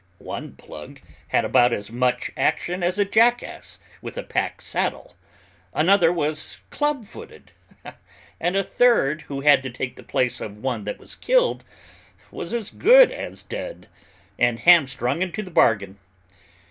One plug had about as much action as a jackass with a pack saddle; another was club footed; and a third who had to take the place of one that was killed, was as good as dead, and hamstrung into the bargain.